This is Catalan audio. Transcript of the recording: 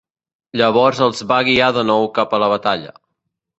Llavors els va guiar de nou cap a la batalla.